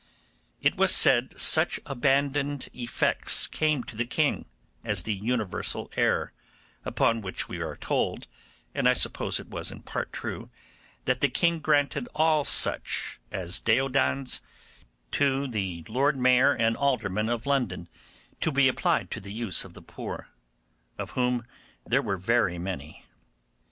It was said such abandoned effects came to the king, as the universal heir; upon which we are told, and I suppose it was in part true, that the king granted all such, as deodands, to the Lord Mayor and Court of Aldermen of London, to be applied to the use of the poor, of whom there were very many.